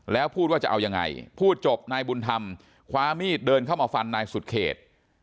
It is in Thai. แล้วพูดว่าจะเอายังไงพูดจบนายบุญธรรมคว้ามีดเดินเข้ามาฟันนายสุดเขต